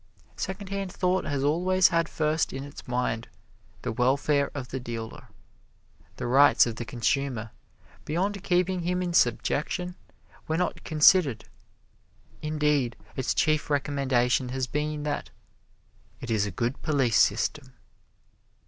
Secondhand Thought has always had first in its mind the welfare of the dealer. The rights of the consumer, beyond keeping him in subjection, were not considered. Indeed, its chief recommendation has been that "it is a good police system."